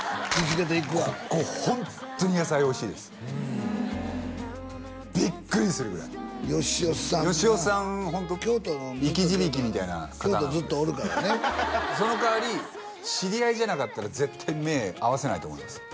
ここホントに野菜おいしいですビックリするぐらいよしおさんがよしおさんホント生き字引みたいな方なのでその代わり知り合いじゃなかったら絶対目合わせないと思います